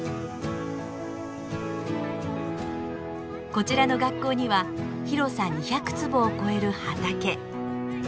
こちらの学校には広さ２００坪を超える畑。